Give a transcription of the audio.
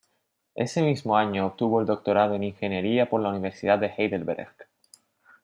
Ese mismo año obtuvo el doctorado en ingeniería por la Universidad de Heidelberg.